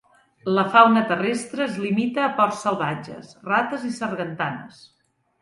La fauna terrestre es limita a porcs salvatges, rates i sargantanes.